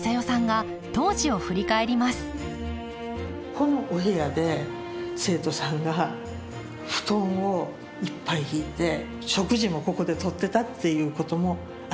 このお部屋で生徒さんが布団をいっぱい敷いて食事もここでとってたっていうこともあります。